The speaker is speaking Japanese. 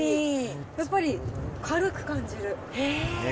やっぱり軽く感じる。